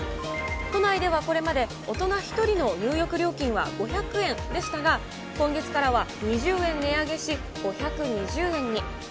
都内ではこれまで、大人１人の入浴料金は５００円でしたが、今月からは２０円値上げし、５２０円に。